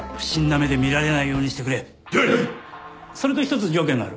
それと１つ条件がある。